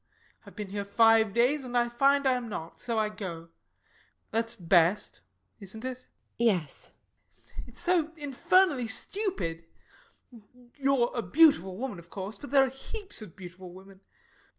I've been here five days, and I find I am not. So I go. That's best, isn't it? LADY TORMINSTER. Yes. SIR GEOFFREY. It's so infernally stupid. You're a beautiful woman, of course; but there are heaps of beautiful women.